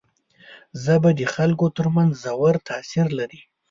ژبه د خلکو تر منځ ژور تاثیر لري